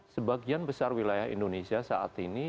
sebagian besar wilayah indonesia saat ini